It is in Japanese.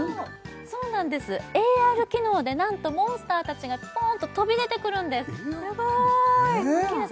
そうなんですＡＲ機能でなんとモンスターたちがポンと飛び出てくるんですすごーい！